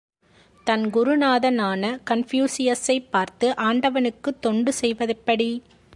தன் குருநாதனான கன்பூஷியசைப் பார்த்து, ஆண்டவனுக்கு தொண்டு செய்வதெப்படி?